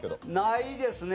ないですね。